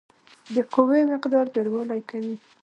د قوې مقدار ډیروالی کوي.